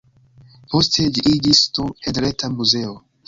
Poste, ĝi iĝis nur-enreta muzeo.